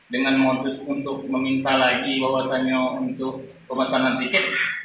dengan modus untuk meminta lagi wawasannya untuk pemesanan tiket